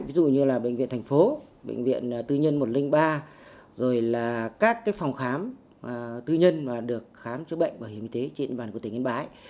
ví dụ như là bệnh viện tp bệnh viện tư nhân một trăm linh ba rồi là các phòng khám tư nhân được khám chữa bệnh bảo hiểm y tế trên bàn của tp han bái